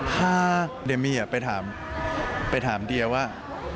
ถ้าเดมี่ไปถามเดียว่า